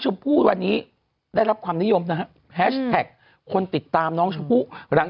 พูดวันนี้ได้รับความนิยมนะฮะแฮชแท็กคนติดตามน้องชมพู่หลัง